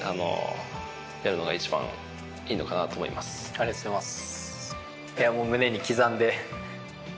ありがとうございます。